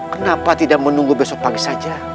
kenapa tidak menunggu besok pagi saja